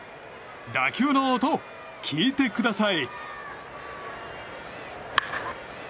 打球の音、聞いてください。